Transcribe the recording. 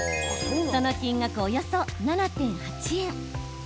その金額は、およそ７．８円。